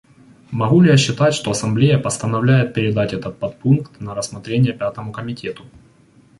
Могу ли я считать, что Ассамблея постановляет передать этот подпункт на рассмотрение Пятому комитету?